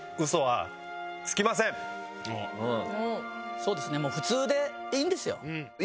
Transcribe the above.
そうですねもう普通でいいんですよ。